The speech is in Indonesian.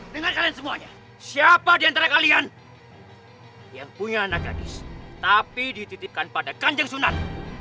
dengan kalian semuanya siapa di antara kalian yang punya anak adis tapi dititipkan pada kanjang sunan